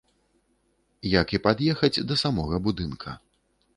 Як і пад'ехаць да самога будынка.